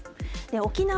沖縄